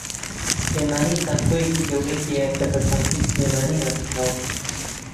سلێمانی زانکۆیەکی گەورەی ھەیە کە بە زانکۆی سلێمانی ناسراوە